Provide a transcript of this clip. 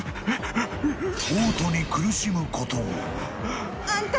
［嘔吐に苦しむことも］あんた！